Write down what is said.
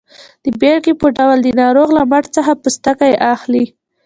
د بیلګې په ډول د ناروغ له مټ څخه پوستکی اخلي.